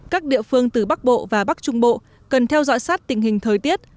các địa phương từ bắc bộ và bắc trung bộ cần theo dõi sát tình hình thời tiết